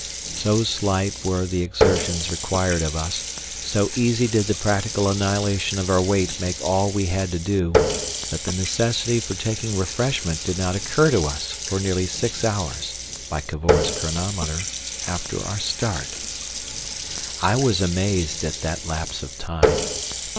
So slight were the exertions required of us, so easy did the practical annihilation of our weight make all we had to do, that the necessity for taking refreshment did not occur to us for nearly six hours (by Cavor's chronometer) after our start. I was amazed at that lapse of time.